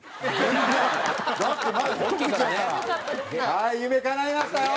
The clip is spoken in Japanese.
はい夢かないましたよ。